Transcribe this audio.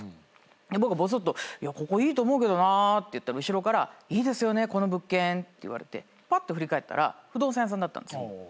僕ぼそっといやここいいと思うけどなって言ったら後ろから「いいですよねこの物件」って言われてパッと振り返ったら不動産屋さんだったんですよ。